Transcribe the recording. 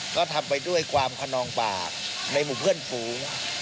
ก็ทำไปด้วยความขนองปากในหมู่เพื่อนฝูง